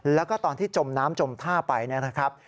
แล้วก็ตอนที่จมน้ำจมท่าไปนะครับ